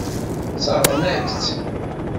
Sseṛɣen-ak-tt.